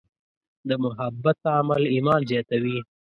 د محبت عمل ایمان زیاتوي.